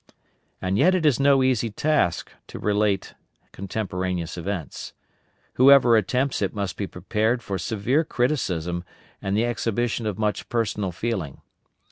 And yet it is no easy task to relate contemporaneous events. Whoever attempts it must be prepared for severe criticism and the exhibition of much personal feeling.